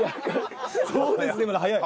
「そうですね」まで早い。